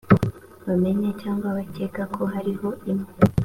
bamenya cyangwa bakeka ko hariho imwe